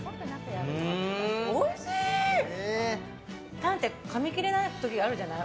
タンってかみ切れない時あるじゃない。